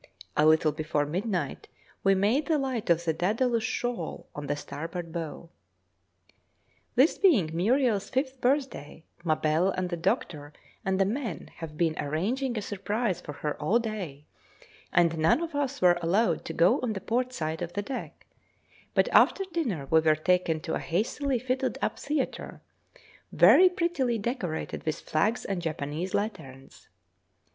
A little before midnight we made the light on the Dædalus shoal on the starboard bow. This being Muriel's fifth birthday, Mabelle and the doctor and the men have been arranging a surprise for her all day, and none of us were allowed to go on the port side of the deck, but after dinner we were taken to a hastily fitted up theatre, very prettily decorated with flags and Japanese lanterns.